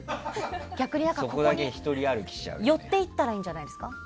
逆にここに寄っていったらいいんじゃないですか。